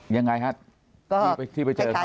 ยังไงฮะที่ไปเจอเขา